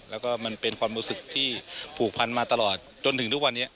แล้วก็มันเป็นความรู้สึกที่ผูกพันมาตลอดจนถึงทุกวันนี้